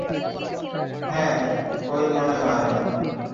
হ্যাঁ, ওই মনে হয়।